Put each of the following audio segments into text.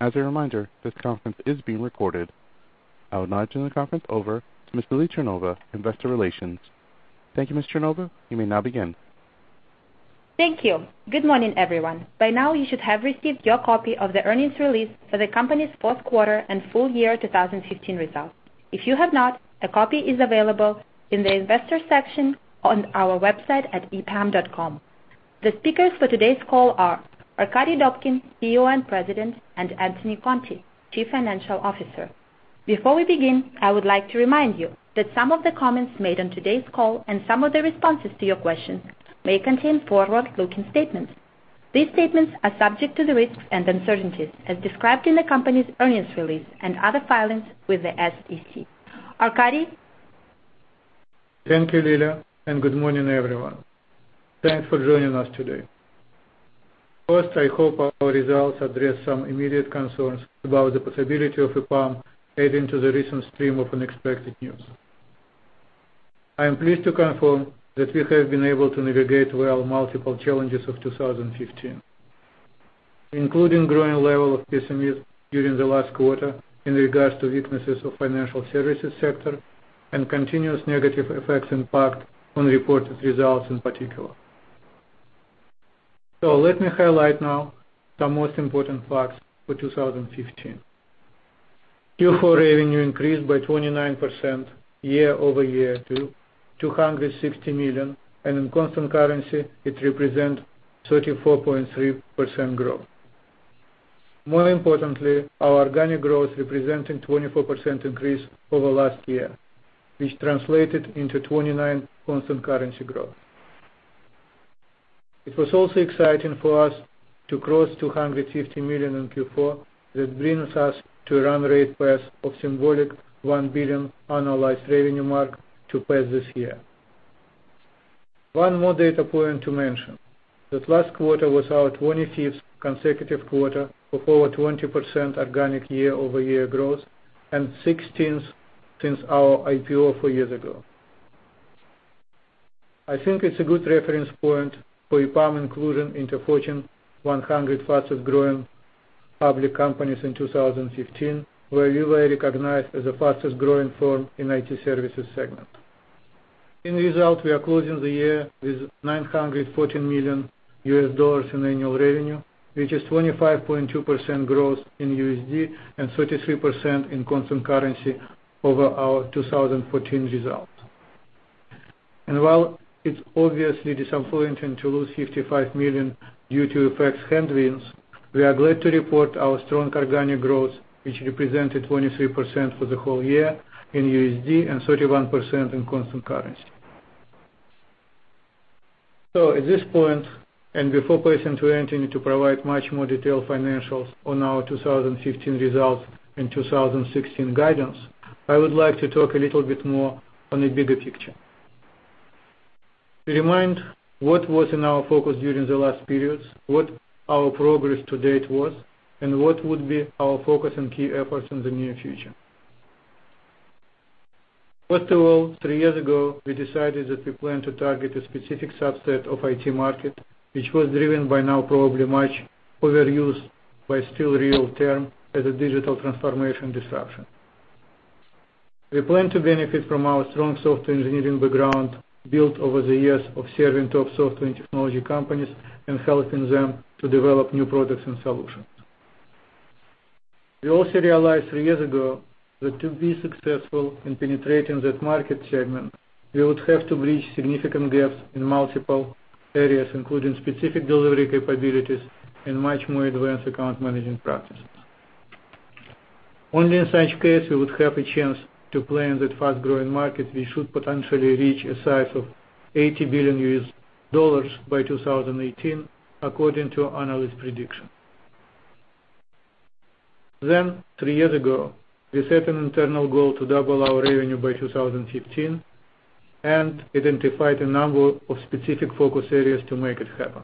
As a reminder, this conference is being recorded. I will now turn the conference over to Ms. Lilya Chernova, Investor Relations. Thank you, Ms. Chernova. You may now begin. Thank you. Good morning, everyone. By now, you should have received your copy of the earnings release for the company's Q4 and full year 2015 results. If you have not, a copy is available in the investor section on our website at epam.com. The speakers for today's call are Arkadiy Dobkin, CEO and President, and Anthony Conte, Chief Financial Officer. Before we begin, I would like to remind you that some of the comments made on today's call and some of the responses to your questions may contain forward-looking statements. These statements are subject to the risks and uncertainties as described in the company's earnings release and other filings with the SEC. Arkadiy? Thank you, Lilya, and good morning, everyone. Thanks for joining us today. First, I hope our results address some immediate concerns about the possibility of EPAM adding to the recent stream of unexpected news. I am pleased to confirm that we have been able to navigate well multiple challenges of 2015, including growing level of pessimism during the last quarter in regards to weaknesses of financial services sector and continuous negative effects impact on reported results in particular. So let me highlight now some most important facts for 2015. Q4 revenue increased by 29% year-over-year to $260 million, and in constant currency, it represent 34.3% growth. More importantly, our organic growth representing 24% increase over last year, which translated into 29% constant currency growth. It was also exciting for us to cross $250 million in Q4, that brings us to a run rate past the symbolic $1 billion annualized revenue mark to pass this year. One more data point to mention: the last quarter was our 25th consecutive quarter of over 20% organic year-over-year growth and 16th since our IPO four years ago. I think it's a good reference point for EPAM inclusion into Fortune 100 fastest growing public companies in 2015, where we were recognized as the fastest growing firm in IT services segment. As a result, we are closing the year with $914 million in annual revenue, which is 25.2% growth in USD and 33% in constant currency over our 2014 results. And while it's obviously disappointing to lose $55 million due to effects headwinds, we are glad to report our strong organic growth, which represented 23% for the whole year in USD and 31% in constant currency. So at this point, and before passing to Anthony to provide much more detailed financials on our 2015 results and 2016 guidance, I would like to talk a little bit more on a bigger picture. To remind what was in our focus during the last periods, what our progress to date was, and what would be our focus and key efforts in the near future. First of all, three years ago, we decided that we plan to target a specific subset of IT market, which was driven by now probably much overused but still real term as a digital transformation disruption. We plan to benefit from our strong software engineering background built over the years of serving top software and technology companies and helping them to develop new products and solutions. We also realized three years ago that to be successful in penetrating that market segment, we would have to bridge significant gaps in multiple areas, including specific delivery capabilities and much more advanced account management practices. Only in such case we would have a chance to play in that fast-growing market. We should potentially reach a size of $80 billion by 2018, according to analyst prediction. Then, three years ago, we set an internal goal to double our revenue by 2015 and identified a number of specific focus areas to make it happen.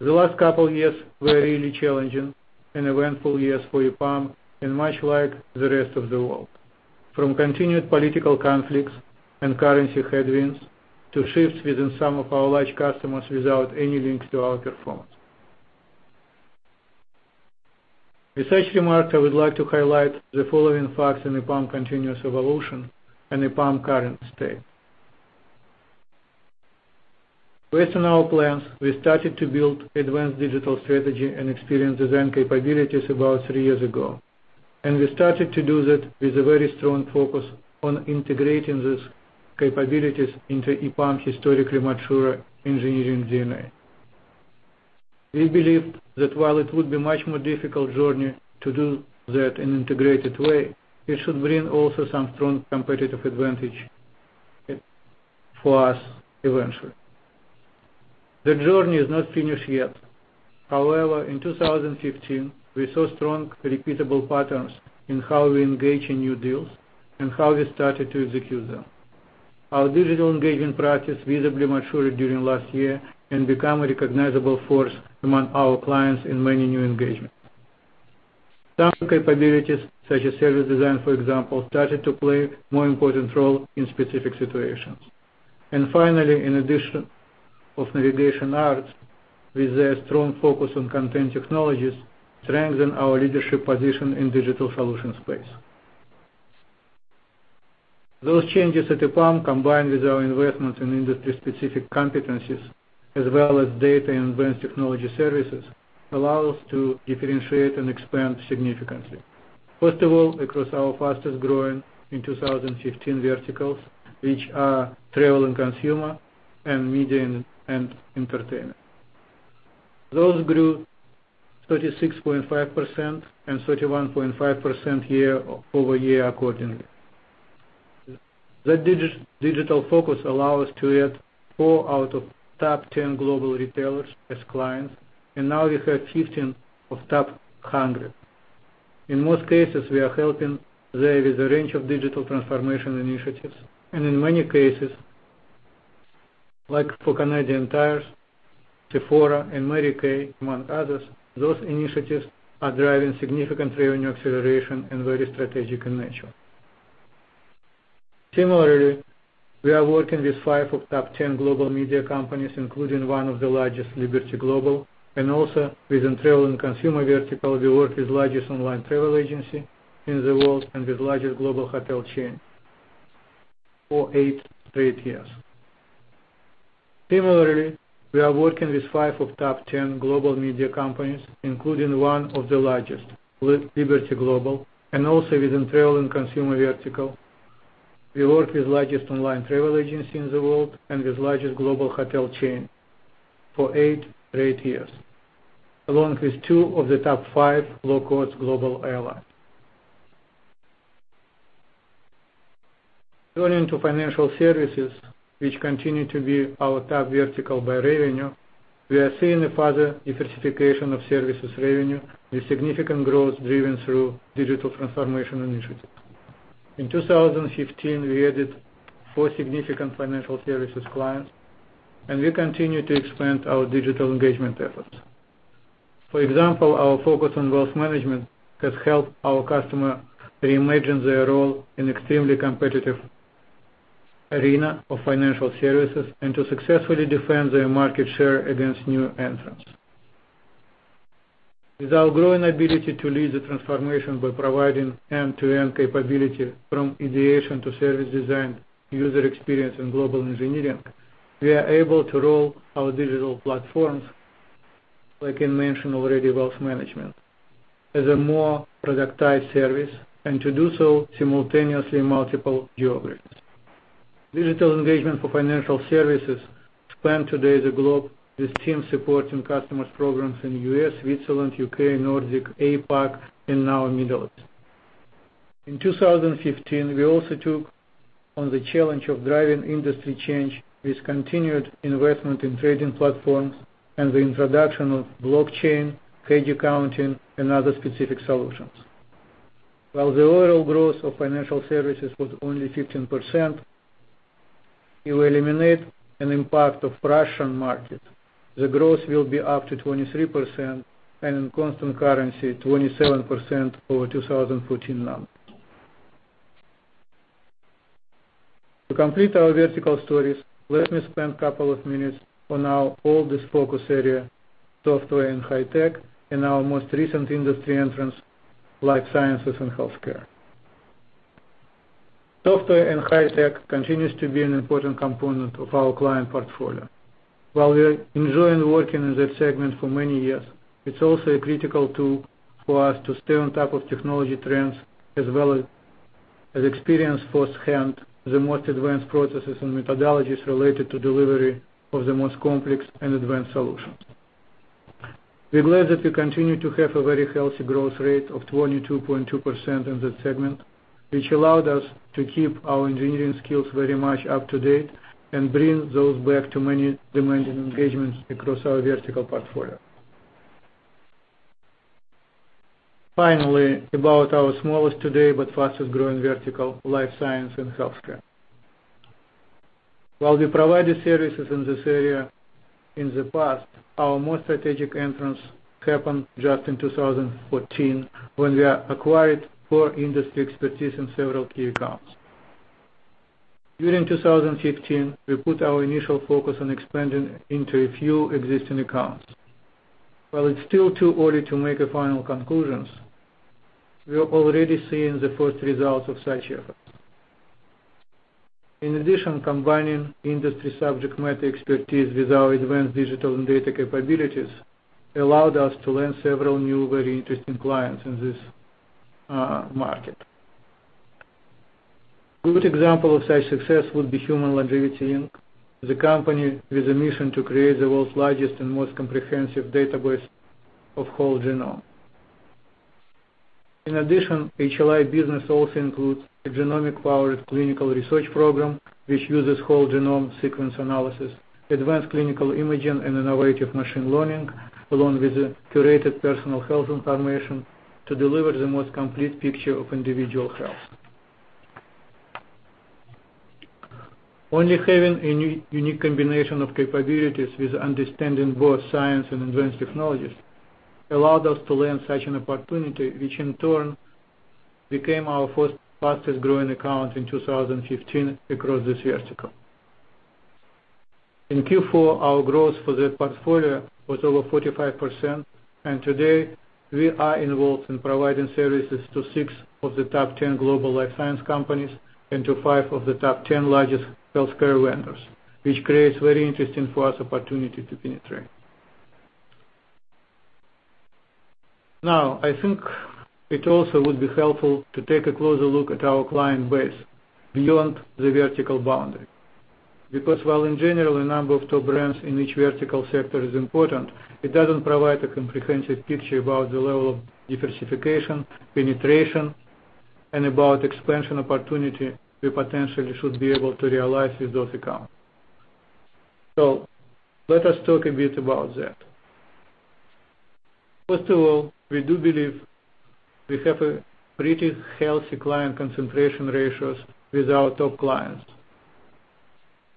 The last couple of years were really challenging and eventful years for EPAM, and much like the rest of the world, from continued political conflicts and currency headwinds to shifts within some of our large customers without any links to our performance. With such remarks, I would like to highlight the following facts in EPAM's continuous evolution and EPAM's current state. Based on our plans, we started to build advanced digital strategy and experience design capabilities about three years ago, and we started to do that with a very strong focus on integrating these capabilities into EPAM's historically mature engineering DNA. We believed that while it would be a much more difficult journey to do that in an integrated way, it should bring also some strong competitive advantage for us eventually. The journey is not finished yet. However, in 2015, we saw strong repeatable patterns in how we engage in new deals and how we started to execute them. Our digital engagement practice visibly matured during last year and became a recognizable force among our clients in many new engagements. Some capabilities, such as service design, for example, started to play a more important role in specific situations. And finally, in addition to Navigation Arts, with a strong focus on content technologies, strengthened our leadership position in the digital solution space. Those changes at EPAM, combined with our investments in industry-specific competencies as well as data and advanced technology services, allow us to differentiate and expand significantly. First of all, across our fastest growing in 2015 verticals, which are travel and consumer and media and entertainment, those grew 36.5% and 31.5% year-over-year accordingly. The digital focus allowed us to add 4 out of top 10 global retailers as clients, and now we have 15 of top 100. In most cases, we are helping there with a range of digital transformation initiatives. In many cases, like for Canadian Tires, Sephora, and Mary Kay, among others, those initiatives are driving significant revenue acceleration and very strategic in nature. Similarly, we are working with five of top 10 global media companies, including one of the largest, Liberty Global, and also within travel and consumer vertical, the world's largest online travel agency in the world and the largest global hotel chain for eight straight years. Similarly, we are working with five of the top 10 global media companies, including one of the largest, Liberty Global, and also within travel and consumer vertical, the world's largest online travel agency in the world and the largest global hotel chain for eight straight years, along with two of the top five low-cost global airlines. Turning to financial services, which continue to be our top vertical by revenue, we are seeing a further diversification of services revenue with significant growth driven through digital transformation initiatives. In 2015, we added four significant financial services clients, and we continue to expand our digital engagement efforts. For example, our focus on wealth management has helped our customer reimagine their role in an extremely competitive arena of financial services and to successfully defend their market share against new entrants. With our growing ability to lead the transformation by providing end-to-end capability from ideation to service design, user experience, and global engineering, we are able to roll our digital platforms, like I mentioned already, Wealth Management, as a more productized service and to do so simultaneously in multiple geographies. Digital engagement for financial services spanned today the globe with teams supporting customers' programs in the U.S., Switzerland, U.K., Nordic, APAC, and now Middle East. In 2015, we also took on the challenge of driving industry change with continued investment in trading platforms and the introduction of blockchain, hedge accounting, and other specific solutions. While the overall growth of financial services was only 15%, if we eliminate an impact of the Russian market, the growth will be up to 23% and in Constant Currency 27% over 2014 numbers. To complete our vertical stories, let me spend a couple of minutes on our oldest focus area, software and high tech, and our most recent industry entrants, life sciences and healthcare. Software and high tech continues to be an important component of our client portfolio. While we are enjoying working in that segment for many years, it's also critical for us to stay on top of technology trends as well as experience firsthand the most advanced processes and methodologies related to delivery of the most complex and advanced solutions. We're glad that we continue to have a very healthy growth rate of 22.2% in that segment, which allowed us to keep our engineering skills very much up to date and bring those back to many demanding engagements across our vertical portfolio. Finally, about our smallest today but fastest growing vertical, life sciences and healthcare. While we provided services in this area in the past, our most strategic entrance happened just in 2014 when we acquired core industry expertise in several key accounts. During 2015, we put our initial focus on expanding into a few existing accounts. While it's still too early to make final conclusions, we are already seeing the first results of such efforts. In addition, combining industry subject matter expertise with our advanced digital and data capabilities allowed us to land several new, very interesting clients in this market. A good example of such success would be Human Longevity, Inc., the company with a mission to create the world's largest and most comprehensive database of whole genome. In addition, HLI business also includes a genomic-powered clinical research program, which uses whole genome sequence analysis, advanced clinical imaging, and innovative machine learning, along with curated personal health information to deliver the most complete picture of individual health. Only having a unique combination of capabilities with understanding both science and advanced technologies allowed us to land such an opportunity, which in turn became our first fastest growing account in 2015 across this vertical. In Q4, our growth for that portfolio was over 45%, and today we are involved in providing services to six of the top 10 global life science companies and to five of the top 10 largest healthcare vendors, which creates a very interesting for us opportunity to penetrate. Now, I think it also would be helpful to take a closer look at our client base beyond the vertical boundary because while in general a number of top brands in each vertical sector is important, it doesn't provide a comprehensive picture about the level of diversification, penetration, and about expansion opportunity we potentially should be able to realize with those accounts. So let us talk a bit about that. First of all, we do believe we have pretty healthy client concentration ratios with our top clients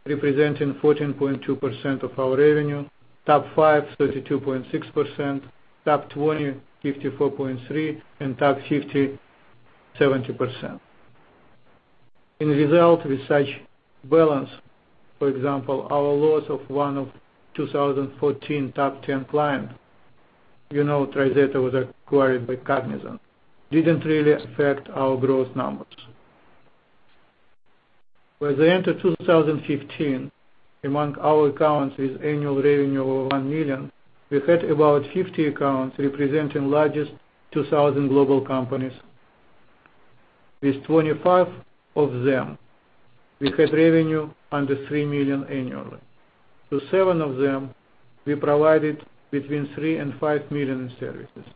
representing 14.2% of our revenue, top five, 32.6%, top 20, 54.3%, and top 50, 70%. In result, with such balance, for example, our loss of one of 2014 top 10 clients, you know, TriZetto was acquired by Cognizant, didn't really affect our growth numbers. By the end of 2015, among our accounts with annual revenue over $1 million, we had about 50 accounts representing the largest 2,000 global companies. With 25 of them, we had revenue under $3 million annually. To seven of them, we provided $3- 5 million in services.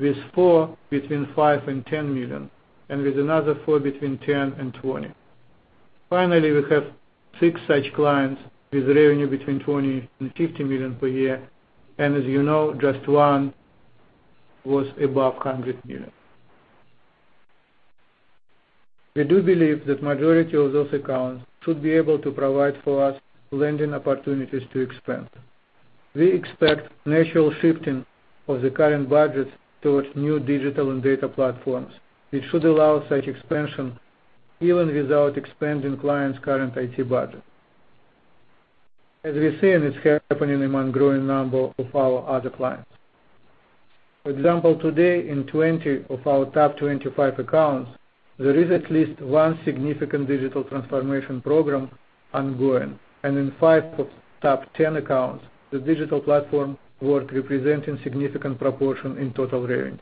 With four, $5 - 10 million, and with another four, $10 - 20 million. Finally, we have six such clients with revenue $20 - 50 million per year, and as you know, just one was above $100 million. We do believe that the majority of those accounts should be able to provide for us lending opportunities to expand. We expect a natural shifting of the current budgets towards new digital and data platforms, which should allow such expansion even without expanding clients' current IT budgets, as we're seeing it's happening among a growing number of our other clients. For example, today, in 20 of our top 25 accounts, there is at least one significant digital transformation program ongoing, and in five of the top 10 accounts, the digital platform work represents a significant proportion in total revenue.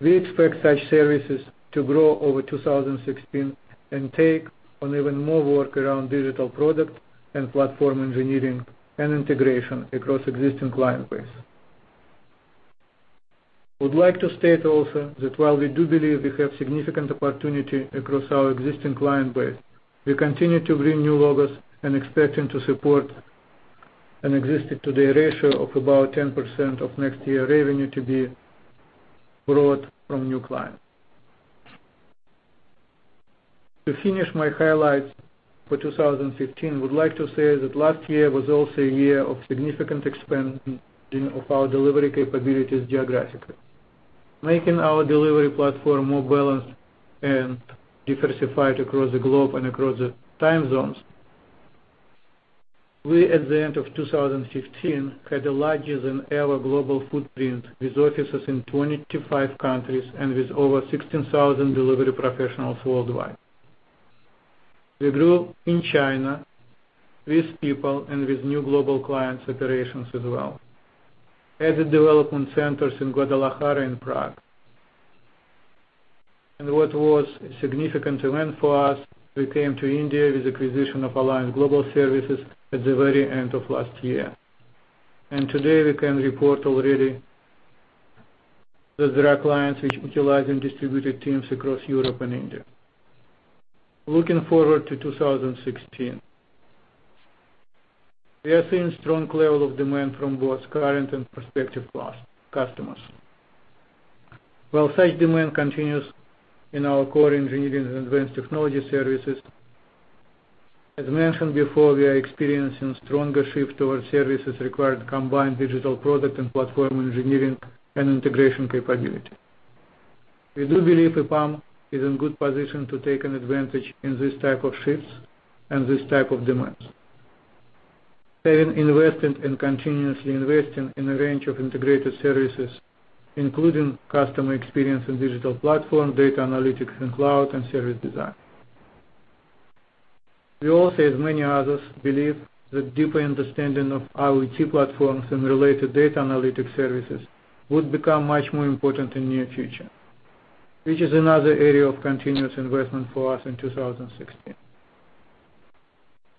We expect such services to grow over 2016 and take on even more work around digital product and platform engineering and integration across the existing client base. I would like to state also that while we do believe we have significant opportunity across our existing client base, we continue to bring new logos and expect them to support an existing today ratio of about 10% of next year revenue to be brought from new clients. To finish my highlights for 2015, I would like to say that last year was also a year of significant expansion of our delivery capabilities geographically, making our delivery platform more balanced and diversified across the globe and across the time zones. We, at the end of 2015, had the largest ever global footprint with offices in 25 countries and with over 16,000 delivery professionals worldwide. We grew in China with people and with new global clients' operations as well, added development centers in Guadalajara and Prague. And what was a significant event for us, we came to India with the acquisition of Alliance Global Services at the very end of last year. And today, we can report already that there are clients which are utilizing distributed teams across Europe and India. Looking forward to 2016, we are seeing a strong level of demand from both current and prospective customers. While such demand continues in our core engineering and advanced technology services, as mentioned before, we are experiencing a stronger shift towards services requiring combined digital product and platform engineering and integration capabilities. We do believe EPAM is in a good position to take advantage of these types of shifts and these types of demands, having invested and continuously investing in a range of integrated services, including customer experience and digital platform, data analytics in cloud, and service design. We also, as many others, believe that a deeper understanding of our IT platforms and related data analytics services would become much more important in the near future, which is another area of continuous investment for us in 2016.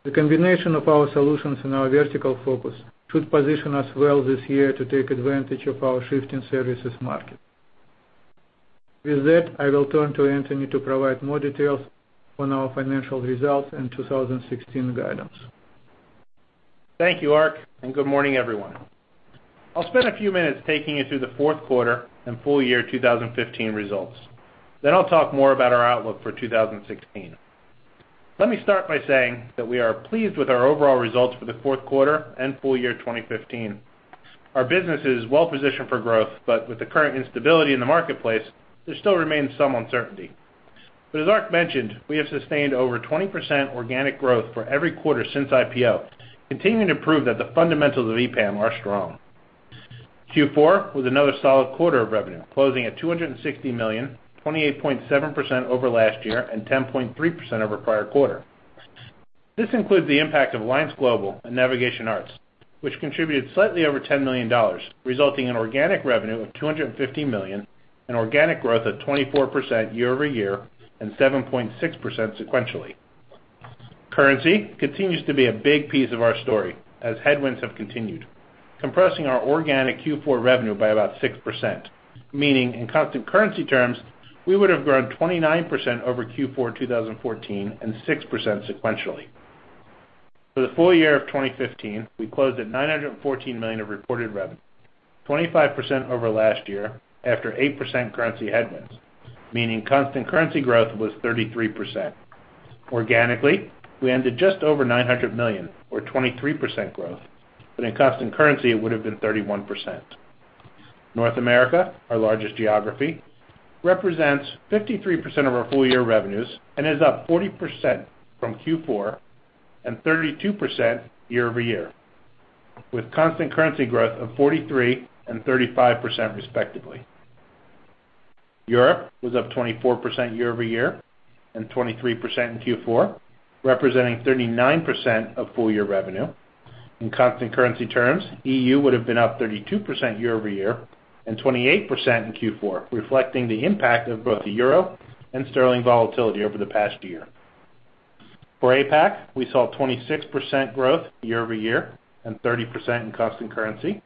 The combination of our solutions and our vertical focus should position us well this year to take advantage of our shifting services market. With that, I will turn to Anthony to provide more details on our financial results and 2016 guidance. Thank you, Ark, and good morning, everyone. I'll spend a few minutes taking you through the Q4 and full year 2015 results. Then I'll talk more about our outlook for 2016. Let me start by saying that we are pleased with our overall results for Q4 and full year 2015. Our business is well-positioned for growth, but with the current instability in the marketplace, there still remains some uncertainty. But as Ark mentioned, we have sustained over 20% organic growth for every quarter since IPO, continuing to prove that the fundamentals of EPAM are strong. Q4 was another solid quarter of revenue, closing at $260 million, 28.7% over last year and 10.3% over prior quarter. This includes the impact of Alliance Global and Navigation Arts, which contributed slightly over $10 million, resulting in organic revenue of $250 million and organic growth of 24% year-over-year and 7.6% sequentially. Currency continues to be a big piece of our story as headwinds have continued, compressing our organic Q4 revenue by about 6%, meaning, in constant currency terms, we would have grown 29% over Q4 2014 and 6% sequentially. For the full year of 2015, we closed at $914 million of reported revenue, 25% over last year after 8% currency headwinds, meaning constant currency growth was 33%. Organically, we ended just over $900 million or 23% growth, but in constant currency, it would have been 31%. North America, our largest geography, represents 53% of our full year revenues and is up 40% from Q4 and 32% year-over-year, with constant currency growth of 43% and 35% respectively. Europe was up 24% year-over-year and 23% in Q4, representing 39% of full year revenue. In constant currency terms, the EU would have been up 32% year-over-year and 28% in Q4, reflecting the impact of both the euro and sterling volatility over the past year. For APAC, we saw 26% growth year-over-year and 30% in constant currency.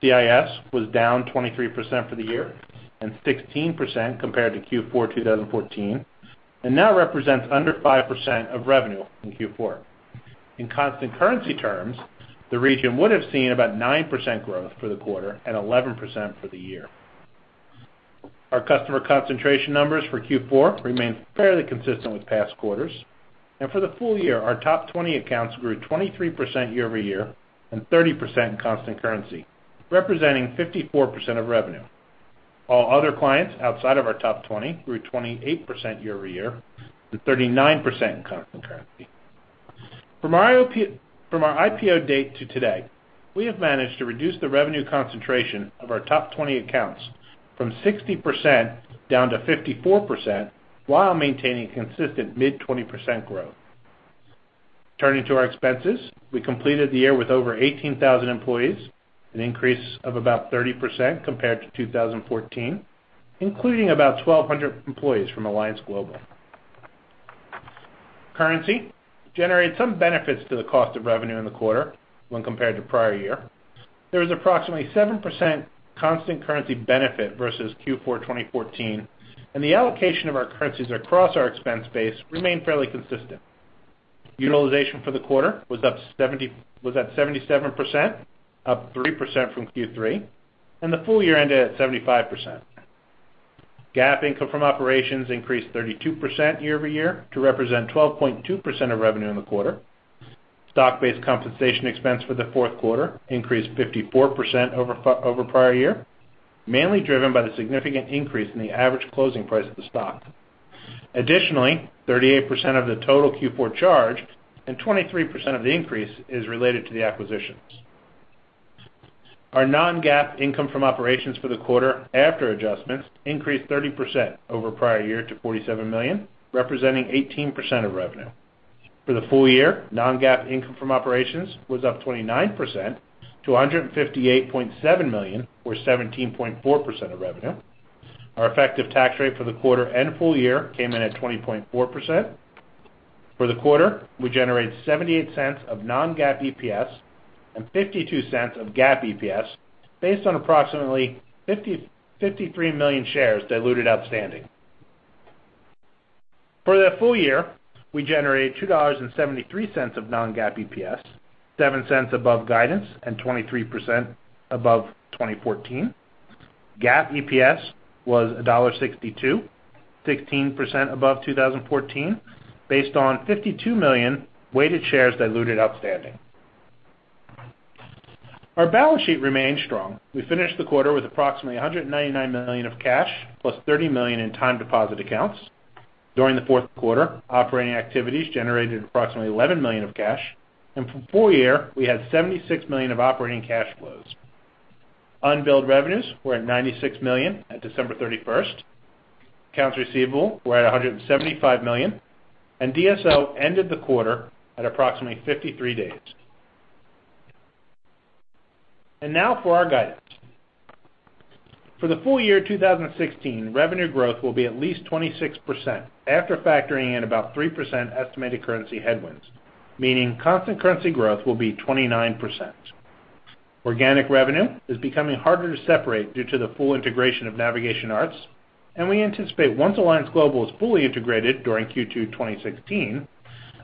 CIS was down 23% for the year and 16% compared to Q4 2014 and now represents under 5% of revenue in Q4. In constant currency terms, the region would have seen about 9% growth for the quarter and 11% for the year. Our customer concentration numbers for Q4 remain fairly consistent with past quarters. For the full year, our top 20 accounts grew 23% year-over-year and 30% in constant currency, representing 54% of revenue. All other clients outside of our top 20 grew 28% year-over-year and 39% in constant currency. From our IPO date to today, we have managed to reduce the revenue concentration of our top 20 accounts from 60% down to 54% while maintaining consistent mid-20% growth. Turning to our expenses, we completed the year with over 18,000 employees, an increase of about 30% compared to 2014, including about 1,200 employees from Alliance Global. Currency generated some benefits to the cost of revenue in the quarter when compared to prior year. There was approximately 7% constant currency benefit versus Q4 2014, and the allocation of our currencies across our expense base remained fairly consistent. Utilization for the quarter was at 77%, up 3% from Q3, and the full year ended at 75%. GAAP income from operations increased 32% year-over-year to represent 12.2% of revenue in the quarter. Stock-based compensation expense for the Q4 increased 54% over prior year, mainly driven by the significant increase in the average closing price of the stock. Additionally, 38% of the total Q4 charge and 23% of the increase is related to the acquisitions. Our non-GAAP income from operations for the quarter after adjustments increased 30% over prior year to $47 million, representing 18% of revenue. For the full year, non-GAAP income from operations was up 29% to $158.7 million or 17.4% of revenue. Our effective tax rate for the quarter and full year came in at 20.4%. For the quarter, we generated $0.78 of non-GAAP EPS and 0.52 of GAAP EPS based on approximately 53 million shares diluted outstanding. For that full year, we generated $2.73 of non-GAAP EPS, $0.07 above guidance and 23% above 2014. GAAP EPS was $1.62, 16% above 2014 based on 52 million weighted shares diluted outstanding. Our balance sheet remained strong. We finished the quarter with approximately $199 million of cash plus $30 million in time deposit accounts. During the Q4, operating activities generated approximately $11 million of cash, and for full year, we had $76 million of operating cash flows. Unbilled revenues were at $96 million at December 31st. Accounts receivable were at $175 million, and DSO ended the quarter at approximately 53 days. Now for our guidance. For the full year 2016, revenue growth will be at least 26% after factoring in about 3% estimated currency headwinds, meaning constant currency growth will be 29%. Organic revenue is becoming harder to separate due to the full integration of Navigation Arts, and we anticipate once Alliance Global is fully integrated during Q2 2016,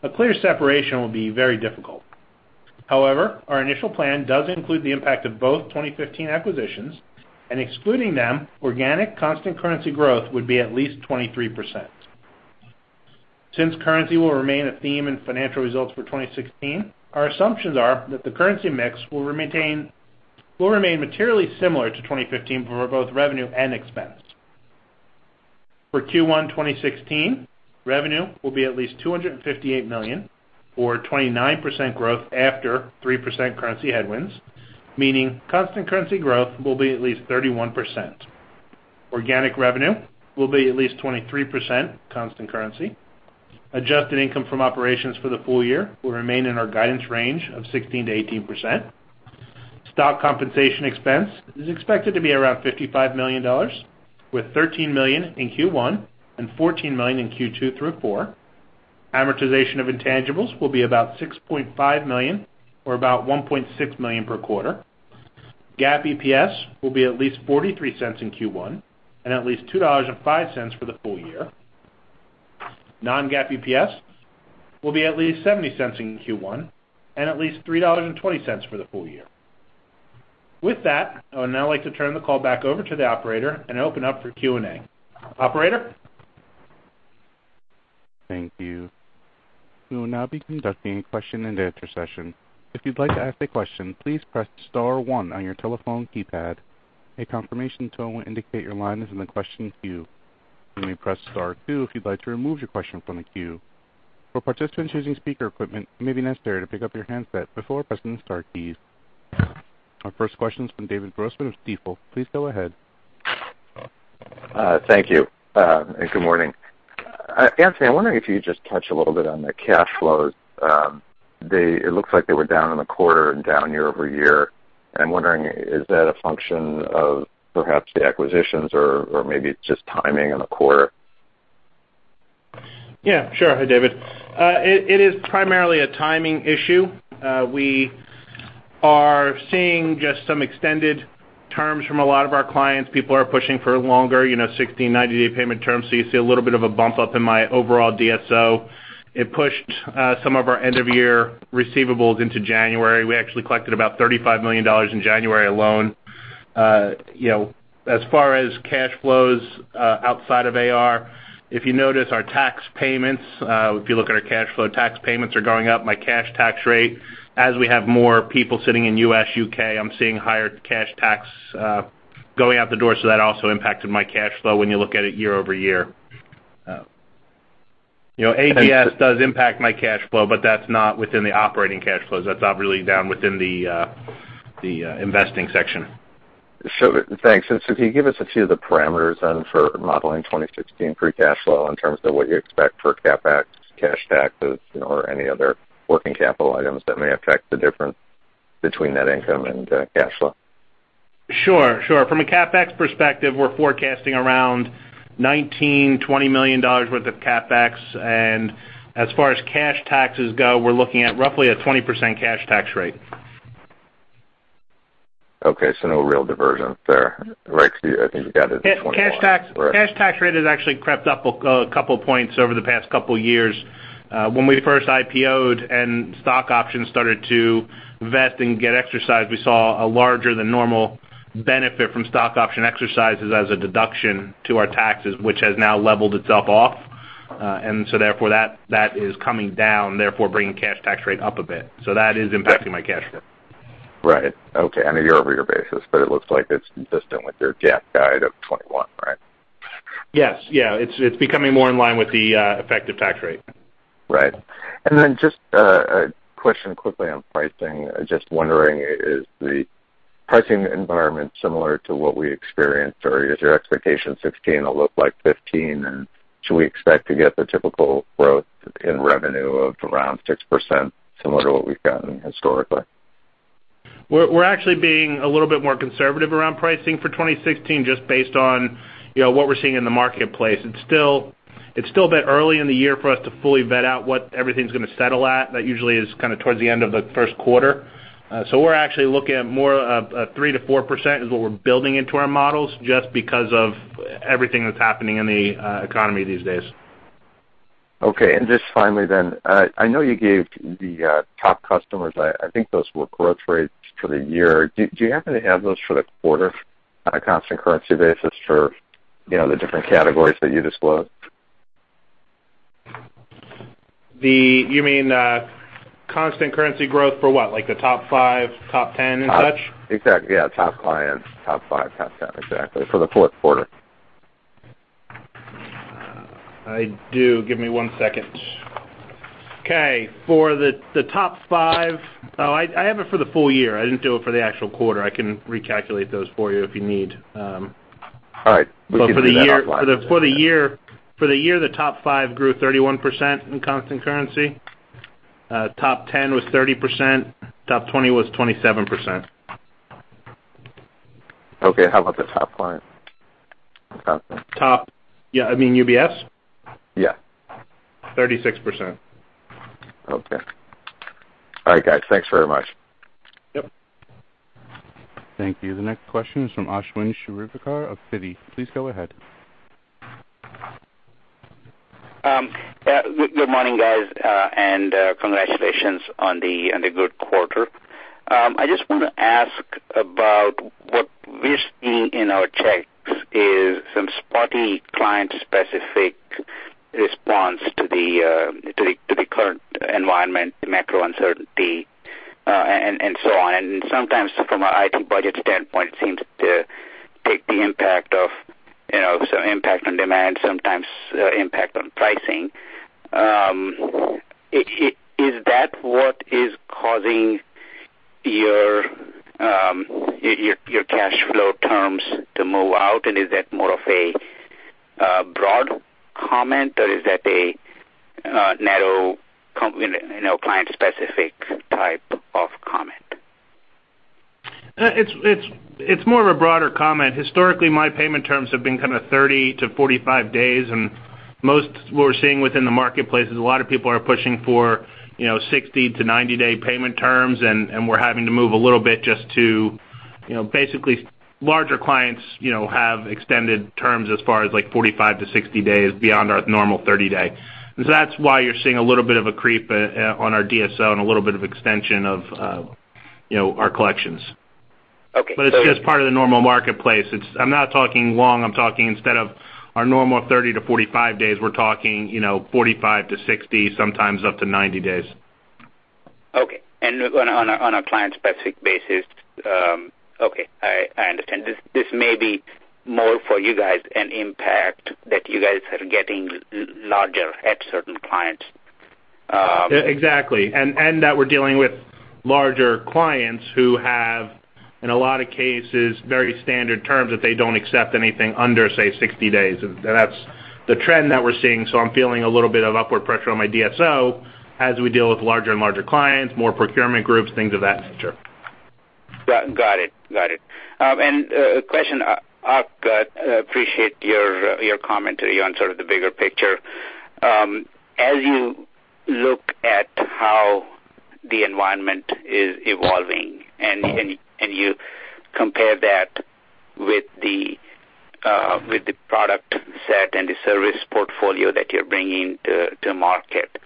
a clear separation will be very difficult. However, our initial plan does include the impact of both 2015 acquisitions, and excluding them, organic constant currency growth would be at least 23%. Since currency will remain a theme in financial results for 2016, our assumptions are that the currency mix will remain materially similar to 2015 for both revenue and expense. For Q1 2016, revenue will be at least $258 million or 29% growth after 3% currency headwinds, meaning constant currency growth will be at least 31%. Organic revenue will be at least 23% constant currency. Adjusted income from operations for the full year will remain in our guidance range of 16%-18%. Stock compensation expense is expected to be around $55 million, with 13 million in Q1 and 14 million in Q2 through Q4. Amortization of intangibles will be about $6.5 million or about $1.6 million per quarter. GAAP EPS will be at least $0.43 in Q1 and at least 2.05 for the full year. Non-GAAP EPS will be at least $0.70 in Q1 and at least $3.20 for the full year. With that, I would now like to turn the call back over to the operator and open up for Q&A. Operator? Thank you. We will now be conducting a question-and-answer session. If you'd like to ask a question, please press star one on your telephone keypad. A confirmation tone will indicate your line is in the question queue. You may press star two if you'd like to remove your question from the queue. For participants using speaker equipment, it may be necessary to pick up your handset before pressing the star keys. Our first question is from David Grossman of Stifel. Please go ahead. Thank you and good morning. Anthony, I'm wondering if you could just touch a little bit on the cash flows. It looks like they were down in the quarter and down year-over-year. I'm wondering, is that a function of perhaps the acquisitions or maybe it's just timing in the quarter? Yeah, sure. Hi, David. It is primarily a timing issue. We are seeing just some extended terms from a lot of our clients. People are pushing for longer 60-90-day payment terms, so you see a little bit of a bump up in my overall DSO. It pushed some of our end-of-year receivables into January. We actually collected about $35 million in January alone. As far as cash flows outside of AR, if you notice our tax payments, if you look at our cash flow, tax payments are going up. My cash tax rate, as we have more people sitting in U.S., U.K., I'm seeing higher cash tax going out the door, so that also impacted my cash flow when you look at it year-over-year. AGS does impact my cash flow, but that's not within the operating cash flows. That's obviously down within the investing section. Thanks. And so can you give us a few of the parameters then for modeling 2016 free cash flow in terms of what you expect for CapEx, cash taxes, or any other working capital items that may affect the difference between that income and cash flow? Sure. From a CapEx perspective, we're forecasting around $19-20 million worth of CapEx. As far as cash taxes go, we're looking at roughly a 20% cash tax rate. Okay. No real diversion there, right? Because I think you got it in 2020. Cash tax rate has actually crept up a couple of points over the past couple of years. When we first IPOed and stock options started to vest and get exercised, we saw a larger than normal benefit from stock option exercises as a deduction to our taxes, which has now leveled itself off. So therefore, that is coming down, therefore bringing cash tax rate up a bit. So that is impacting my cash flow. Right. Okay. On a year-over-year basis, but it looks like it's consistent with your GAAP guide of 2021, right? Yes. Yeah. It's becoming more in line with the effective tax rate. Right. And then just a question quickly on pricing. Just wondering, is the pricing environment similar to what we experienced, or is your expectation 2016 to look like 2015, and should we expect to get the typical growth in revenue of around 6% similar to what we've gotten historically? We're actually being a little bit more conservative around pricing for 2016 just based on what we're seeing in the marketplace. It's still a bit early in the year for us to fully vet out what everything's going to settle at. That usually is kind of towards the end of the first quarter. So we're actually looking at more of a 3%-4% is what we're building into our models just because of everything that's happening in the economy these days. Okay. And just finally then, I know you gave the top customers, I think those were growth rates for the year. Do you happen to have those for the quarter on a constant currency basis for the different categories that you disclosed? You mean constant currency growth for what? The top five, top 10, and such? Exactly. Yeah. Top clients, top five, top 10, exactly, for Q4. I do. Give me one second. Okay. For the top five, oh, I have it for the full year. I didn't do it for the actual quarter. I can recalculate those for you if you need. All right. We can do that last line. But for the year, the top five grew 31% in constant currency. Top 10 was 30%. Top 20 was 27%. Okay. How about the top clients, constant? Yeah. I mean UBS? Yes. 36%. Okay. All right, guys. Thanks very much. Yep. Thank you. The next question is from Ashwin Shirvaikar of Citigroup. Please go ahead. Good morning, guys, and congratulations on the good quarter. I just want to ask about what we're seeing in our checks is some spotty client-specific response to the current environment, the macro uncertainty, and so on. Sometimes, from an IT budget standpoint, it seems to take the impact of some impact on demand, sometimes impact on pricing. Is that what is causing your cash flow terms to move out, and is that more of a broad comment, or is that a narrow client-specific type of comment? It's more of a broader comment. Historically, my payment terms have been kind of 30-45 days, and what we're seeing within the marketplace is a lot of people are pushing for 60-90-day payment terms, and we're having to move a little bit just to basically, larger clients have extended terms as far as 45-60 days beyond our normal 30-day. So that's why you're seeing a little bit of a creep on our DSO and a little bit of extension of our collections. But it's just part of the normal marketplace. I'm not talking long. Instead of our normal 30-45 days, we're talking 45-60, sometimes up to 90 days. Okay. And on a client-specific basis, okay. I understand. This may be more for you guys, an impact that you guys are getting larger at certain clients. Exactly. And that we're dealing with larger clients who have, in a lot of cases, very standard terms that they don't accept anything under, say, 60 days. And that's the trend that we're seeing. So I'm feeling a little bit of upward pressure on my DSO as we deal with larger and larger clients, more procurement groups, things of that nature. Got it. Got it. A question. I appreciate your commentary on sort of the bigger picture. As you look at how the environment is evolving and you compare that with the product set and the service portfolio that you're bringing to market,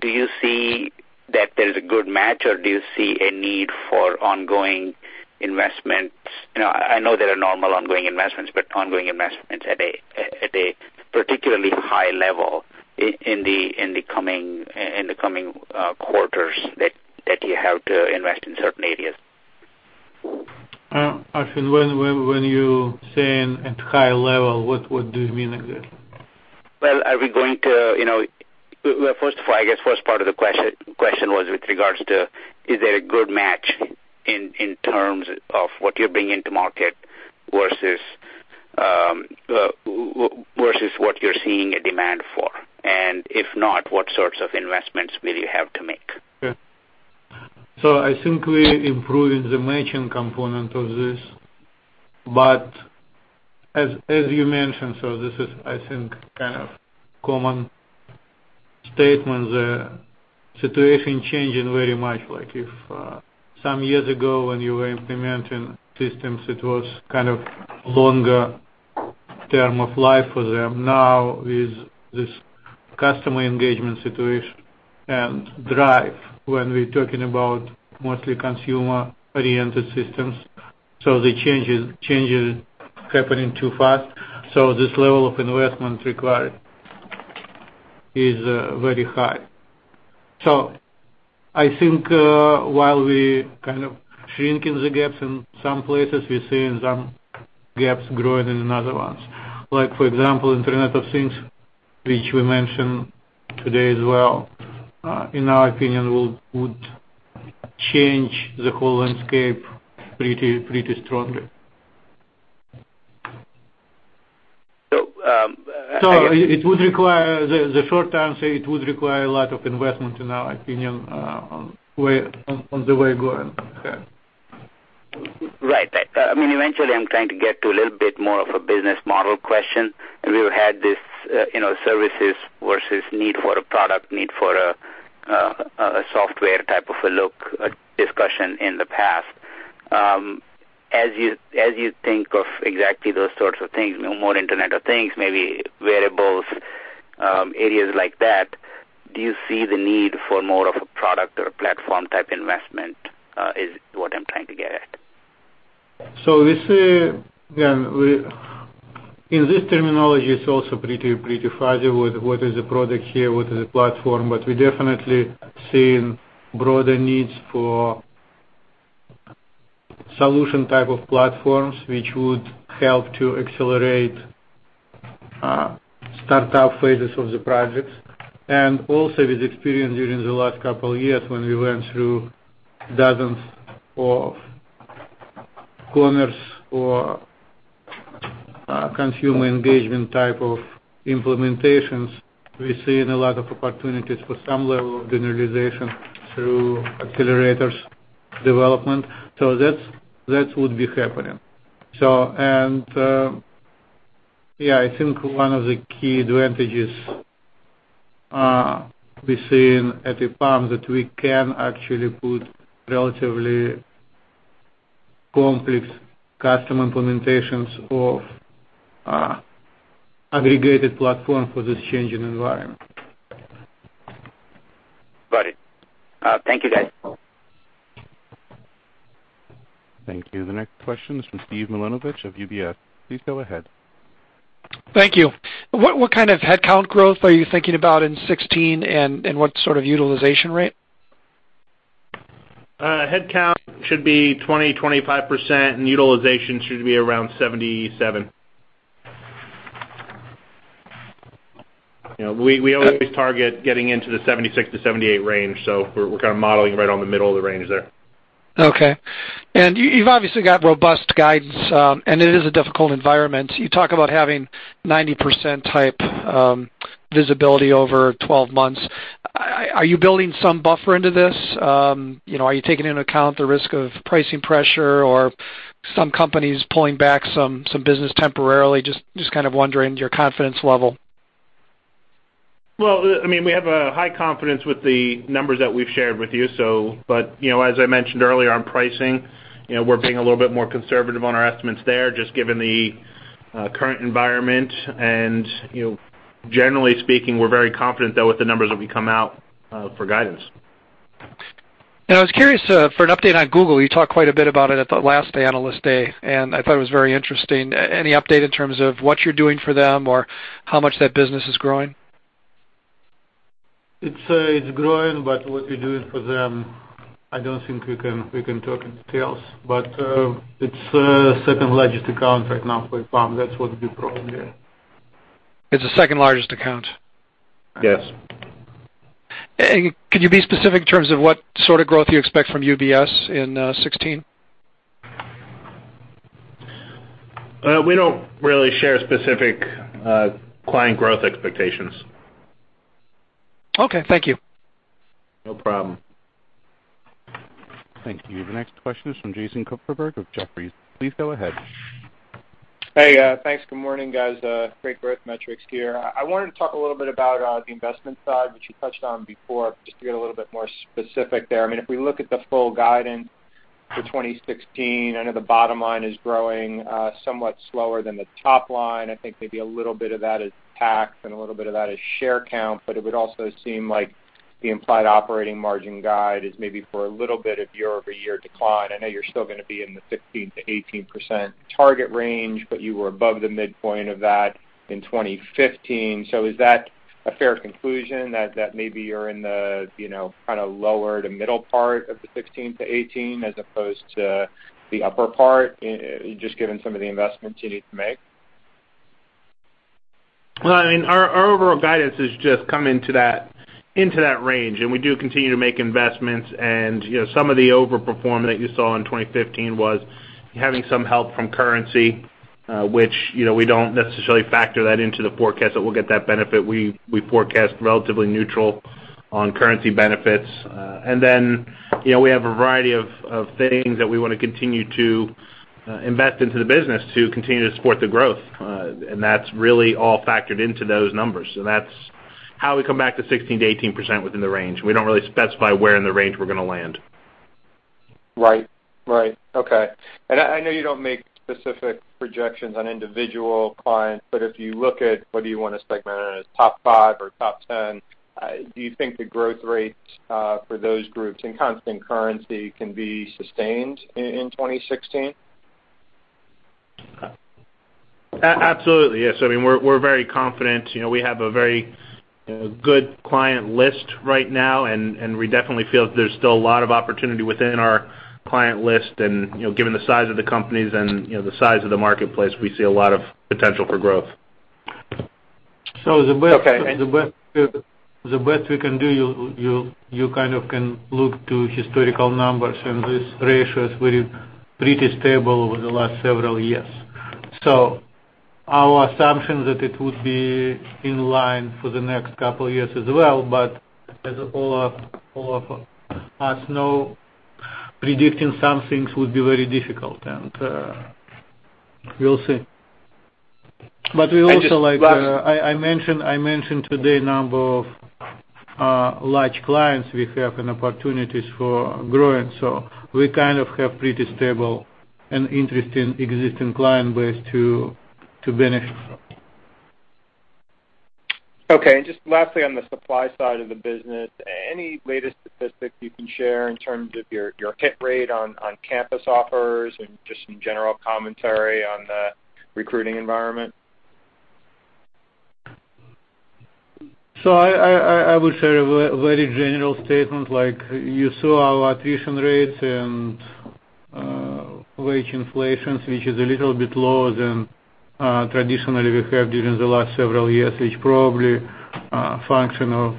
do you see that there's a good match, or do you see a need for ongoing investments? I know there are normal ongoing investments, but ongoing investments at a particularly high level in the coming quarters that you have to invest in certain areas? Ashwin, when you say at high level, what do you mean exactly? Well, are we going to first of all, I guess first part of the question was with regards to is there a good match in terms of what you're bringing to market versus what you're seeing a demand for? And if not, what sorts of investments will you have to make? Yeah. So I think we're improving the matching component of this. But as you mentioned, so this is, I think, kind of common statement, the situation changing very much. Some years ago, when you were implementing systems, it was kind of longer term of life for them. Now, with this customer engagement situation and drive, when we're talking about mostly consumer-oriented systems, so the change is happening too fast. So this level of investment required is very high. So I think while we're kind of shrinking the gaps in some places, we're seeing some gaps growing in another ones. For example, Internet of Things, which we mentioned today as well, in our opinion, would change the whole landscape pretty strongly. I understand. It would require the short answer, it would require a lot of investment, in our opinion, on the way going ahead. Right. I mean, eventually, I'm trying to get to a little bit more of a business model question. We've had this services versus need for a product, need for a software type of a look discussion in the past. As you think of exactly those sorts of things, more Internet of Things, maybe wearables, areas like that, do you see the need for more of a product or a platform type investment is what I'm trying to get at? So we see again, in this terminology, it's also pretty fuzzy with what is the product here, what is the platform. But we're definitely seeing broader needs for solution type of platforms, which would help to accelerate startup phases of the projects. And also, with experience during the last couple of years when we went through dozens of corners or consumer engagement type of implementations, we're seeing a lot of opportunities for some level of generalization through accelerators development. So that would be happening. And yeah, I think one of the key advantages we're seeing at EPAM is that we can actually put relatively complex custom implementations of aggregated platform for this changing environment. Got it. Thank you, guys. Thank you. The next question is from Steve Milunovich of UBS. Please go ahead. Thank you. What kind of headcount growth are you thinking about in 2016, and what sort of utilization rate? Headcount should be 20%-25%, and utilization should be around 77%. We always target getting into the 76%-78% range, so we're kind of modeling right on the middle of the range there. Okay. And you've obviously got robust guidance, and it is a difficult environment. You talk about having 90% type visibility over 12 months. Are you building some buffer into this? Are you taking into account the risk of pricing pressure or some companies pulling back some business temporarily? Just kind of wondering your confidence level. Well, I mean, we have a high confidence with the numbers that we've shared with you. But as I mentioned earlier on pricing, we're being a little bit more conservative on our estimates there just given the current environment. Generally speaking, we're very confident though with the numbers that we come out for guidance. I was curious, for an update on Google, you talked quite a bit about it at the last analyst day, and I thought it was very interesting. Any update in terms of what you're doing for them or how much that business is growing? It's growing, but what we're doing for them, I don't think we can talk in details. But it's the second largest account right now for EPAM. That's what we do probably. It's the second largest account? Yes. Could you be specific in terms of what sort of growth you expect from UBS in 2016? We don't really share specific client growth expectations. Okay. Thank you. No problem. Thank you. The next question is from Jason Kupferberg of Jefferies. Please go ahead. Hey. Thanks. Good morning, guys. Great growth metrics here. I wanted to talk a little bit about the investment side, which you touched on before, just to get a little bit more specific there. I mean, if we look at the full guidance for 2016, I know the bottom line is growing somewhat slower than the top line. I think maybe a little bit of that is tax and a little bit of that is share count. But it would also seem like the implied operating margin guide is maybe for a little bit of year-over-year decline. I know you're still going to be in the 15%-18% target range, but you were above the midpoint of that in 2015. Is that a fair conclusion, that maybe you're in the kind of lower to middle part of the 16-18 as opposed to the upper part just given some of the investments you need to make? Well, I mean, our overall guidance is just coming into that range, and we do continue to make investments. Some of the overperform that you saw in 2015 was having some help from currency, which we don't necessarily factor that into the forecast that we'll get that benefit. We forecast relatively neutral on currency benefits. Then we have a variety of things that we want to continue to invest into the business to continue to support the growth. And that's really all factored into those numbers. And that's how we come back to 16%-18% within the range. We don't really specify where in the range we're going to land. Right. Right. Okay. I know you don't make specific projections on individual clients, but if you look at what do you want to segment on as top five or top 10, do you think the growth rates for those groups in constant currency can be sustained in 2016? Absolutely. Yes. I mean, we're very confident. We have a very good client list right now, and we definitely feel that there's still a lot of opportunity within our client list. And given the size of the companies and the size of the marketplace, we see a lot of potential for growth. So the best we can do, you kind of can look to historical numbers, and these ratios were pretty stable over the last several years. So our assumption is that it would be in line for the next couple of years as well. But as all of us know, predicting some things would be very difficult, and we'll see. But we also like to I mentioned today a number of large clients we have and opportunities for growing. So we kind of have pretty stable and interesting existing client base to benefit from. Okay. And just lastly on the supply side of the business, any latest statistics you can share in terms of your hit rate on campus offers and just some general commentary on the recruiting environment? So I would say a very general statement. You saw our attrition rates and wage inflations, which is a little bit lower than traditionally we have during the last several years, which probably function of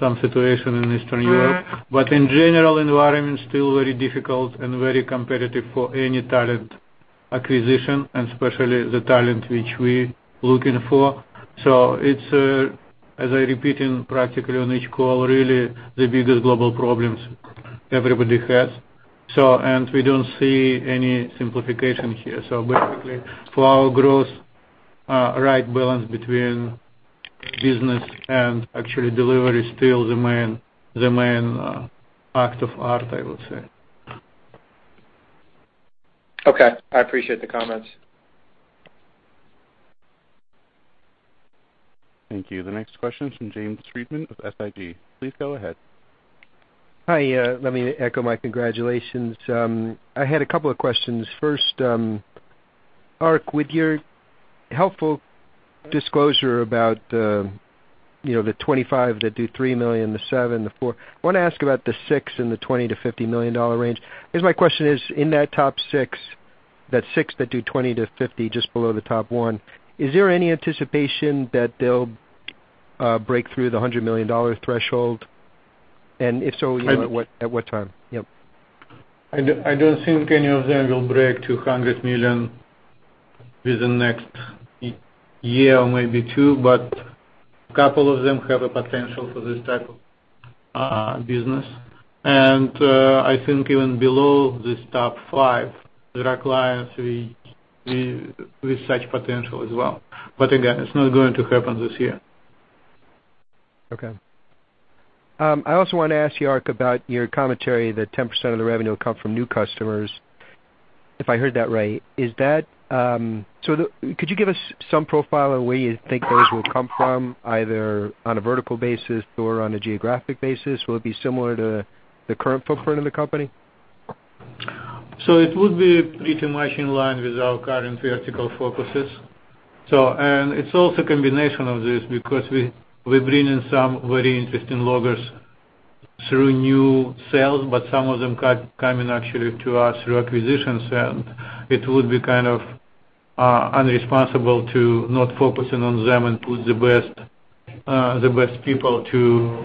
some situation in Eastern Europe. But in general, the environment is still very difficult and very competitive for any talent acquisition, and especially the talent which we're looking for. So it's, as I'm repeating practically on each call, really the biggest global problems everybody has. And we don't see any simplification here. So basically, for our growth, the right balance between business and actually delivery is still the main act of art, I would say. Okay. I appreciate the comments. Thank you. The next question is from James Friedman of SIG. Please go ahead. Hi. Let me echo my congratulations. I had a couple of questions. First, Ark, with your helpful disclosure about the 25 that do $3 million, the seven, the four, I want to ask about the six and the $20-50 million range. My question is, in that top six, that six that do $20-50 million, just below the top one, is there any anticipation that they'll break through the $100 million threshold? And if so, at what time? Yep. I don't think any of them will break $200 million within the next year or maybe two. But a couple of them have a potential for this type of business. And I think even below this top five, there are clients with such potential as well. But again, it's not going to happen this year. Okay. I also want to ask you, Ark, about your commentary that 10% of the revenue will come from new customers. If I heard that right, is that so? Could you give us some profile of where you think those will come from, either on a vertical basis or on a geographic basis? Will it be similar to the current footprint of the company? So it would be pretty much in line with our current vertical focuses. And it's also a combination of this because we're bringing some very interesting logos through new sales, but some of them coming actually to us through acquisitions. And it would be kind of irresponsible to not focus on them and put the best people to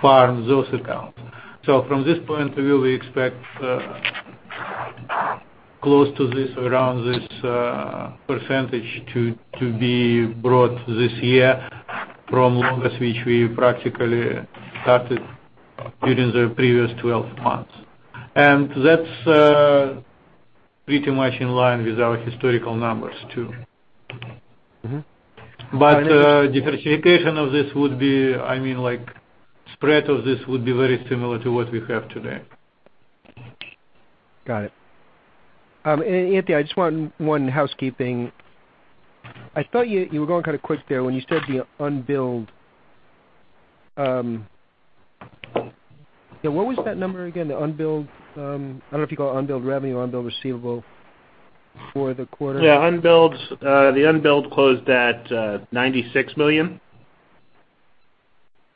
farm those accounts. So from this point of view, we expect close to this or around this percentage to be brought this year from logos which we practically started during the previous 12 months. And that's pretty much in line with our historical numbers too. But diversification of this would be I mean, spread of this would be very similar to what we have today. Got it. And Anthony, I just want one housekeeping. I thought you were going kind of quick there when you said the unbilled what was that number again, the unbilled? I don't know if you call it unbilled revenue or unbilled receivable for the quarter. Yeah. The unbilled closed at $96 million.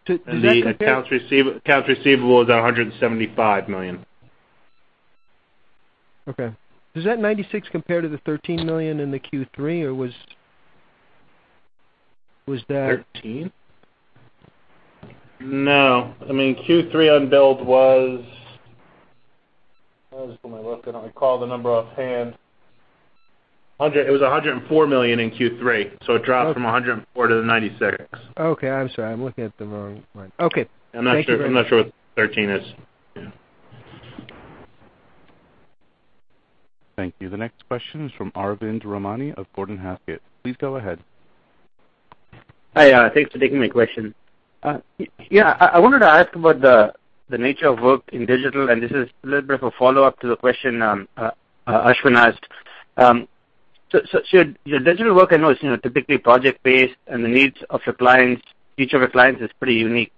Does that compare? The accounts receivable was at $175 million. Okay. Does that 96 compare to the $13 million in the Q3, or was that? 13? No. I mean, Q3 revenue was how is it when I look? I don't recall the number offhand. It was $104 million in Q3, so it dropped from $104 to the 96 million. Okay. I'm sorry. I'm looking at the wrong one. Okay. Thank you. I'm not sure what 13 is. Thank you. The next question is from Arvind Ramnani of Gordon Haskett. Please go ahead. Hi. Thanks for taking my question. Yeah. I wanted to ask about the nature of work in digital, and this is a little bit of a follow-up to the question Ashwin asked. So your digital work, I know it's typically project-based, and the needs of each of your clients is pretty unique.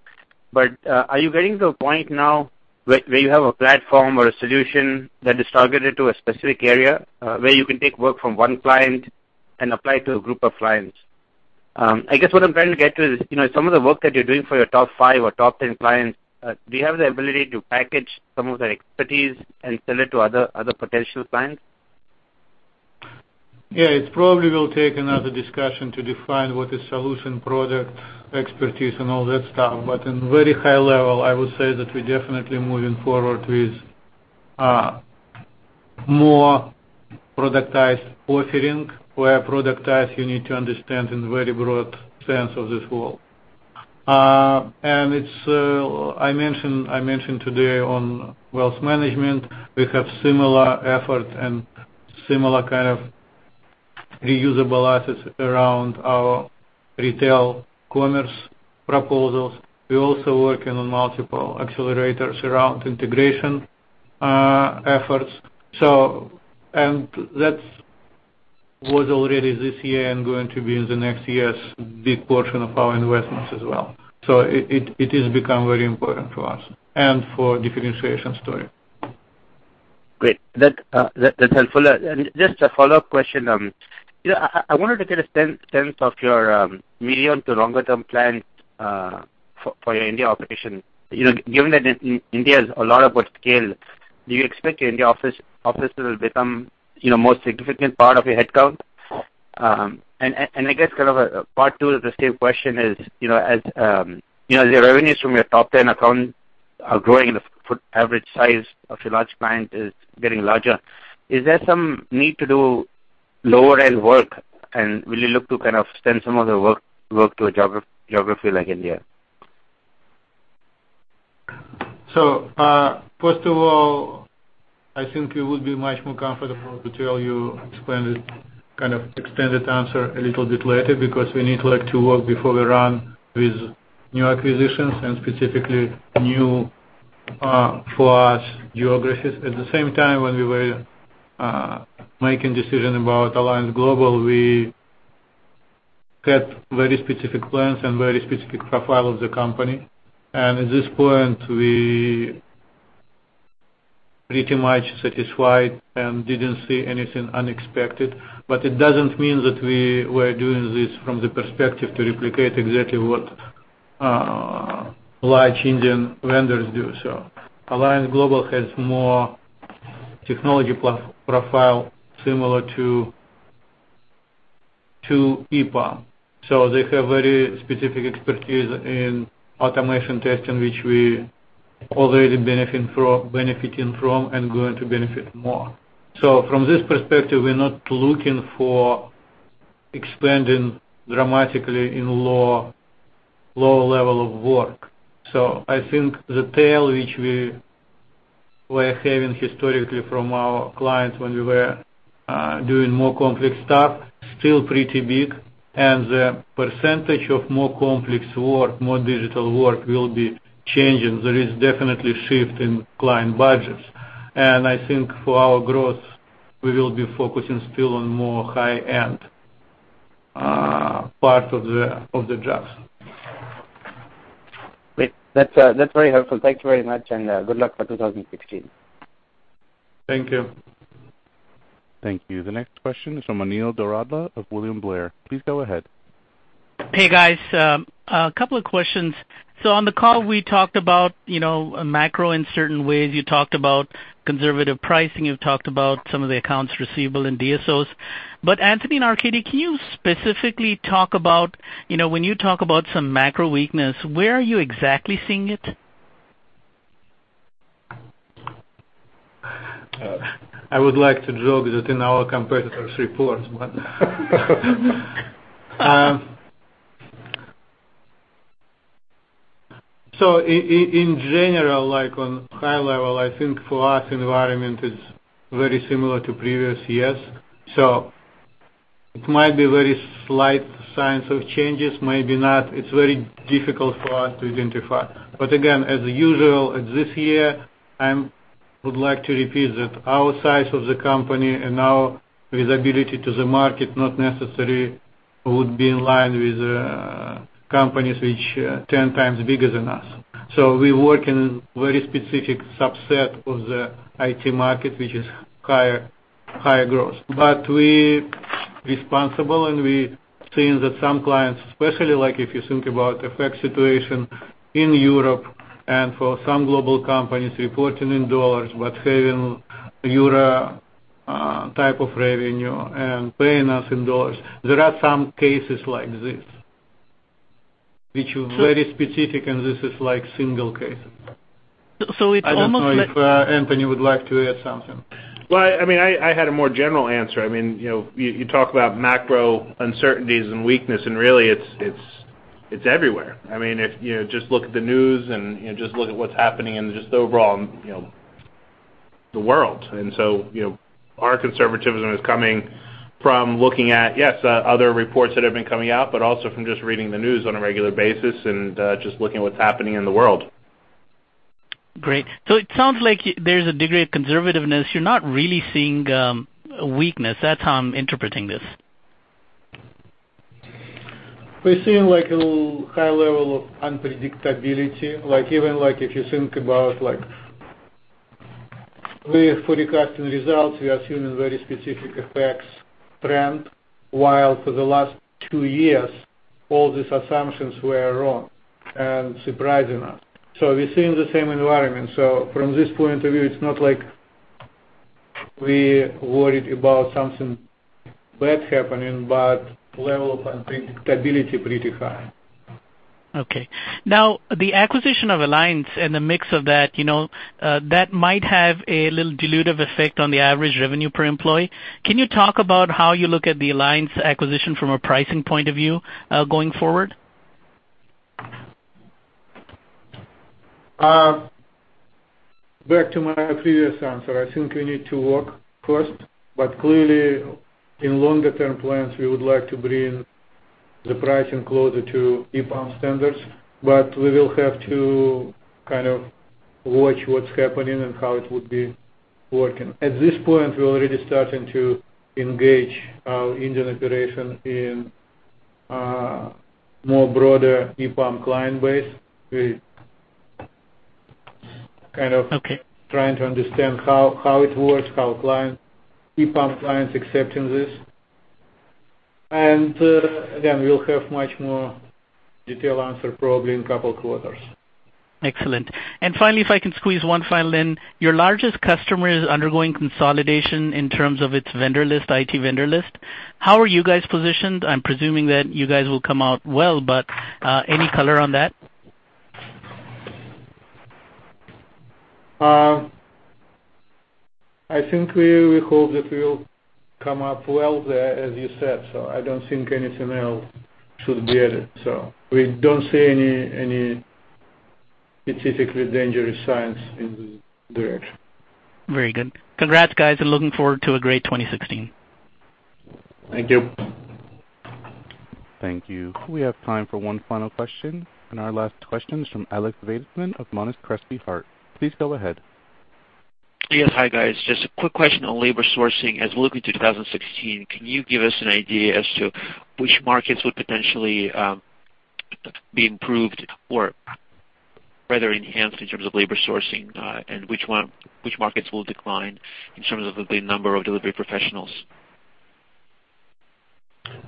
But are you getting to a point now where you have a platform or a solution that is targeted to a specific area where you can take work from one client and apply it to a group of clients? I guess what I'm trying to get to is some of the work that you're doing for your top five or top 10 clients, do you have the ability to package some of that expertise and sell it to other potential clients? Yeah. It probably will take another discussion to define what is solution, product, expertise, and all that stuff. But on a very high level, I would say that we're definitely moving forward with more productized offering where productized you need to understand in a very broad sense of this word. And I mentioned today on wealth management, we have similar efforts and similar kind of reusable assets around our retail commerce proposals. We're also working on multiple accelerators around integration efforts. And that was already this year and going to be in the next year's big portion of our investments as well. So it has become very important for us and for the differentiation story. Great. That's helpful. And just a follow-up question. I wanted to get a sense of your medium to longer-term plans for your India operation. Given that India is a lot about scale, do you expect your India office to become a more significant part of your headcount? And I guess kind of a part two of the same question is, as the revenues from your top 10 accounts are growing and the average size of your large client is getting larger, is there some need to do lower-end work, and will you look to kind of send some of the work to a geography like India? So first of all, I think we would be much more comfortable to tell you an extended answer a little bit later because we need to work before we run with new acquisitions and specifically new for us geographies. At the same time, when we were making decisions about Alliance Global, we had very specific plans and very specific profiles of the company. And at this point, we're pretty much satisfied and didn't see anything unexpected. But it doesn't mean that we were doing this from the perspective to replicate exactly what large Indian vendors do. So Alliance Global has a more technology profile similar to EPAM. So they have very specific expertise in automation testing which we're already benefiting from and going to benefit more. So from this perspective, we're not looking for expanding dramatically in lower level of work. I think the tail which we were having historically from our clients when we were doing more complex stuff is still pretty big. The percentage of more complex work, more digital work, will be changing. There is definitely a shift in client budgets. I think for our growth, we will be focusing still on more high-end part of the jobs. Great. That's very helpful. Thank you very much, and good luck for 2016. Thank you. Thank you. The next question is from Anil Doradla of William Blair. Please go ahead. Hey, guys. A couple of questions. So on the call, we talked about macro in certain ways. You talked about conservative pricing. You've talked about some of the accounts receivable and DSOs. But Anthony and Arkadiy, can you specifically talk about when you talk about some macro weakness, where are you exactly seeing it? I would like to joke that in our competitors' reports, but. So in general, on a high level, I think for us, the environment is very similar to previous years. So it might be very slight signs of changes, maybe not. It's very difficult for us to identify. But again, as usual, this year, I would like to repeat that our size of the company and our visibility to the market not necessarily would be in line with companies which are 10x bigger than us. So we're working on a very specific subset of the IT market which is higher growth. But we're responsible, and we're seeing that some clients, especially if you think about the FX situation in Europe and for some global companies reporting in dollars but having euro type of revenue and paying us in dollars, there are some cases like this which are very specific, and this is single cases. So it's almost. I don't know if Anthony would like to add something. Well, I mean, I had a more general answer. I mean, you talk about macro uncertainties and weakness, and really, it's everywhere. I mean, just look at the news and just look at what's happening in just overall the world. And so our conservatism is coming from looking at, yes, other reports that have been coming out, but also from just reading the news on a regular basis and just looking at what's happening in the world. Great. So it sounds like there's a degree of conservativeness. You're not really seeing weakness. That's how I'm interpreting this. We're seeing a high level of unpredictability. Even if you think about, we're forecasting results. We're assuming very specific FX trends, while for the last two years, all these assumptions were wrong and surprising us. So we're seeing the same environment. So from this point of view, it's not like we're worried about something bad happening, but the level of unpredictability is pretty high. Okay. Now, the acquisition of Alliance and the mix of that, that might have a little dilutive effect on the average revenue per employee. Can you talk about how you look at the Alliance acquisition from a pricing point of view going forward? Back to my previous answer. I think we need to work first. But clearly, in longer-term plans, we would like to bring the pricing closer to EPAM standards. But we will have to kind of watch what's happening and how it would be working. At this point, we're already starting to engage our Indian operation in a more broader EPAM client base. We're kind of trying to understand how it works, how EPAM clients are accepting this. And again, we'll have a much more detailed answer probably in a couple of quarters. Excellent. And finally, if I can squeeze one final in, your largest customer is undergoing consolidation in terms of its IT vendor list. How are you guys positioned? I'm presuming that you guys will come out well, but any color on that? I think we hope that we'll come up well there, as you said. So I don't think anything else should be added. So we don't see any specifically dangerous signs in this direction. Very good. Congrats, guys, and looking forward to a great 2016. Thank you. Thank you. We have time for one final question. Our last question is from Alex Veytsman of Monness Crespi Hardt. Please go ahead. Yes. Hi, guys. Just a quick question on labor sourcing. As we're looking to 2016, can you give us an idea as to which markets would potentially be improved or rather enhanced in terms of labor sourcing and which markets will decline in terms of the number of delivery professionals?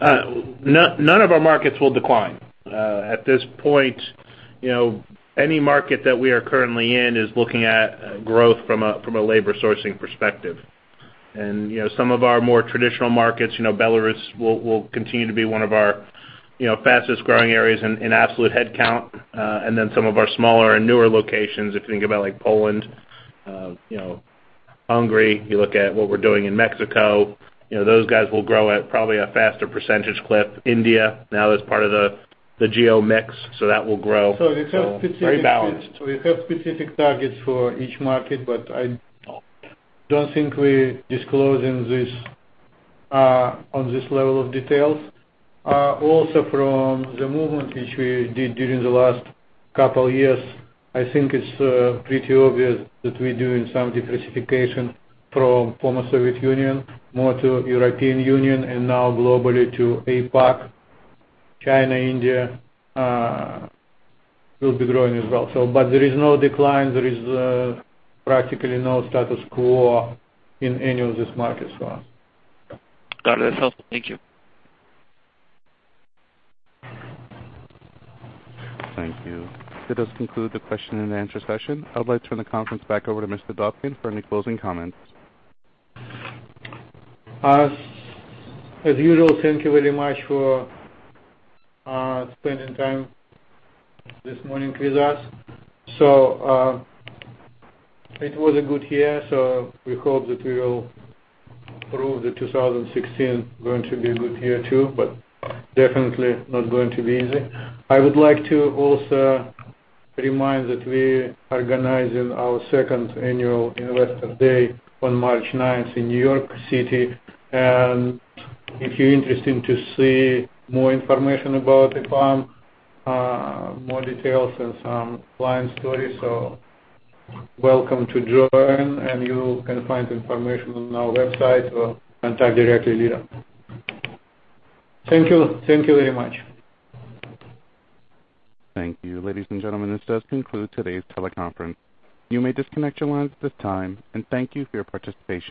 None of our markets will decline. At this point, any market that we are currently in is looking at growth from a labor sourcing perspective. And some of our more traditional markets, Belarus, will continue to be one of our fastest-growing areas in absolute headcount. And then some of our smaller and newer locations, if you think about Poland, Hungary, you look at what we're doing in Mexico. Those guys will grow at probably a faster percentage clip. India, now that's part of the geo-mix, so that will grow. We have specific targets. Very balanced. We have specific targets for each market, but I don't think we're disclosing this on this level of details. Also, from the movement which we did during the last couple of years, I think it's pretty obvious that we're doing some diversification from former Soviet Union more to European Union and now globally to APAC. China, India will be growing as well. There is no decline. There is practically no status quo in any of these markets for us. Got it. That's helpful. Thank you. Thank you. That does conclude the question and answer session. I'd like to turn the conference back over to Mr. Dobkin for any closing comments. As usual, thank you very much for spending time this morning with us. So it was a good year. So we hope that we will prove that 2016 is going to be a good year too, but definitely not going to be easy. I would like to also remind that we're organizing our second annual Investor Day on March 9 in New York City. And if you're interested in seeing more information about EPAM, more details, and some client stories, so welcome to join. And you can find information on our website or contact directly later. Thank you. Thank you very much. Thank you. Ladies and gentlemen, this does conclude today's teleconference. You may disconnect your lines at this time. Thank you for your participation.